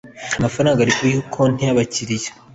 amafaranga ari kuri konti y ‘abakiriya.